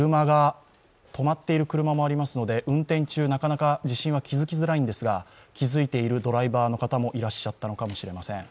止まっている車もありますので運転中、なかなか地震は気づきづらいんですが、気づいているドライバーの方もいらっしゃったのかもしれません。